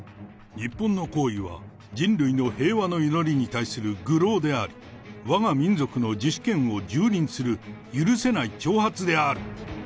日本の行為は、人類の平和の祈りに対する愚弄であり、わが民族の自主権をじゅうりんする許せない挑発である。